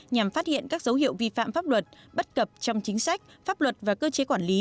nhằm phát hiện các dấu hiệu vi phạm pháp luật bất cập trong chính sách pháp luật và cơ chế quản lý